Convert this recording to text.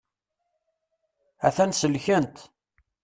A-t-an selkent.